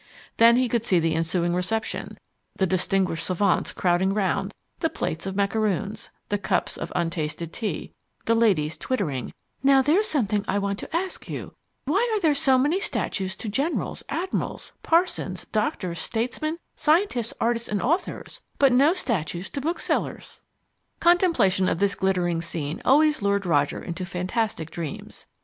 Then he could see the ensuing reception: the distinguished savants crowding round; the plates of macaroons, the cups of untasted tea; the ladies twittering, "Now there's something I want to ask you why are there so many statues to generals, admirals, parsons, doctors, statesmen, scientists, artists, and authors, but no statues to booksellers?" Contemplation of this glittering scene always lured Roger into fantastic dreams.